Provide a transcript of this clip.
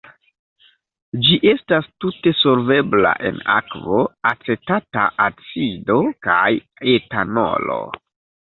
Ĝi estas tute solvebla en akvo, acetata acido kaj etanolo.